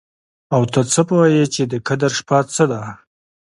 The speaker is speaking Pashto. او ته څه پوه يې چې د قدر شپه څه ده؟